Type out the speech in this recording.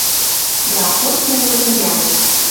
Дӓ аккордвлӓжӹ тӹнгӓлӹт